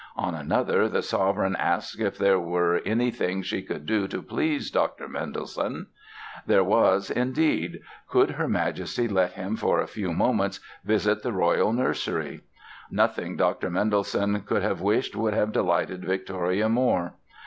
On another, the sovereign asked if there were "anything she could do to please Dr. Mendelssohn!". There was, indeed! Could Her Majesty let him for a few moments visit the royal nursery? Nothing Dr. Mendelssohn could have wished would have delighted Victoria more!